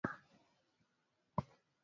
Mti wa maembe.